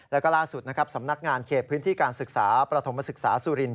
แล้วก็ล่าสุดนะครับสำนักงานเขตพื้นที่การศึกษาประถมศึกษาสุรินท